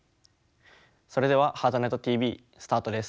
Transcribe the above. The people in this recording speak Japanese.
それでは「ハートネットＴＶ」スタートです。